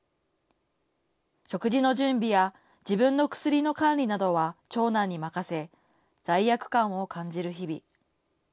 食事の準備や自分の薬の管理などは長男に任せ、罪悪感を感じる日々。